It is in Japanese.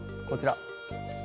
こちら。